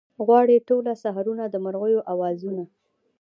غواړي ټوله سحرونه د مرغیو اوازونه